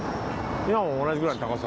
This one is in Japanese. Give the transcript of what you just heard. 今も同じぐらいの高さ。